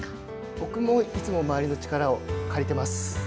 僕もいつも周りの力を借りてます。